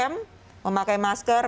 tiga m memakai masker